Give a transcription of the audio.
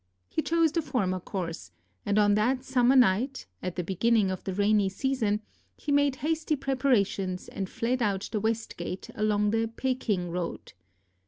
He chose the former course, and on that summer night, at the beginning of the rainy season, he made hasty preparations and fled out the west gate along the "Peking Road."